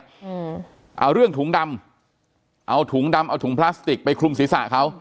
อืมเอาเรื่องถุงดำเอาถุงดำเอาถุงพลาสติกไปคลุมศีรษะเขา